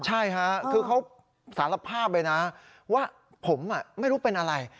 ใช่ค่ะคือเขาสารภาพเลยนะว่าผมไม่รู้เป็นอะไร